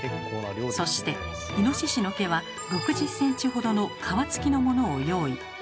そしてイノシシの毛は６０ｃｍほどの皮つきのものを用意。